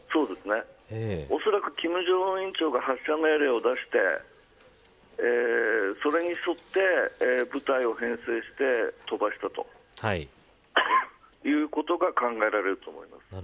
そうですね、おそらく発射命令を出してそれに沿って部隊を編成して飛ばしたということが考えられると思います。